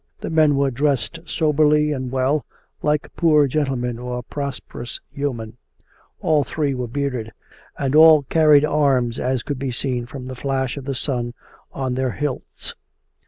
The men were dressed soberly and well, like poor gentlemen or prosperous yeomen; all three were bearded, and all carried arms as could be seen from the flash of the sun on their hilts.